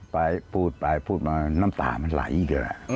ไปพูดไปพูดมาน้ำตามันไหลเดี๋ยวแหละ